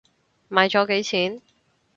買咗幾錢？